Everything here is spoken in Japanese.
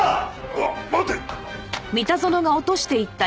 あっ待て！